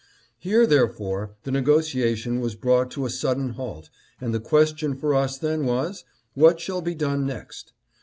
"Here, therefore, the negotiation was brought to a sudden halt, and the question for us then was, What shall be done next?